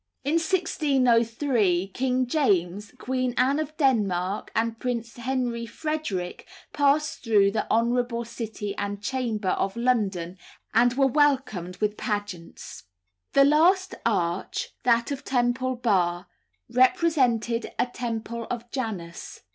In 1603 King James, Queen Anne of Denmark, and Prince Henry Frederick passed through "the honourable City and Chamber" of London, and were welcomed with pageants. The last arch, that of Temple Bar, represented a temple of Janus.